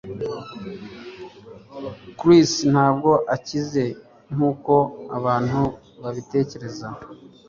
Chris ntabwo akize nkuko abantu babitekereza